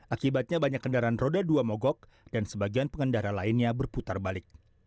akibatnya banyak kendaraan roda dua mogok dan sebagian pengendara lainnya berputar balik